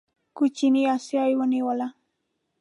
کوچنۍ اسیا یې ونیوله.